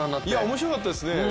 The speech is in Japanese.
面白かったですね